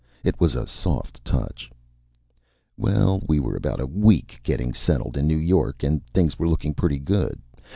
It was a soft touch. Well, we were about a week getting settled in New York and things were looking pretty good.